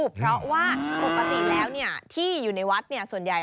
เพราะว่าปกติแล้วที่อยู่ในวัดส่วนใหญ่